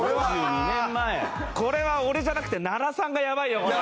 これは俺じゃなくて奈良さんがやばいよこれ。